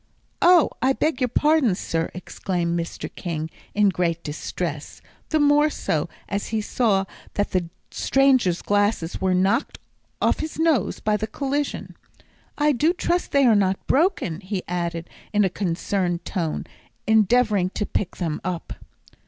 "Oh, I beg your pardon, sir," exclaimed Mr. King in great distress, the more so as he saw that the stranger's glasses were knocked off his nose by the collision. "I do trust they are not broken," he added, in a concerned tone, endeavouring to pick them up.